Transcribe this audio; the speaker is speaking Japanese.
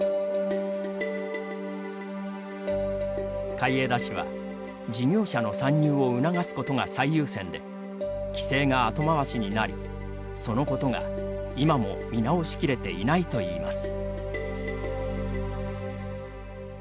海江田氏は、事業者の参入を促すことが最優先で規制が後回しになりそのことが、今も見直しきれていないといいます。